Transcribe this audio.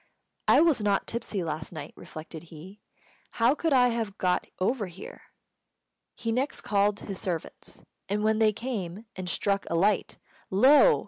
"I was not tipsy last night," reflected he; "how could I have got over here?" He next called his servants, and when they came and struck a light, lo!